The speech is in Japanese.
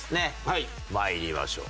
まいりましょう。